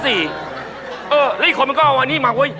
แล้วอีกคนมันก็เอาอันนี้มาเว้ย